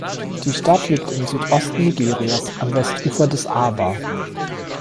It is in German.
Die Stadt liegt im Südosten Nigerias am Westufer des Aba.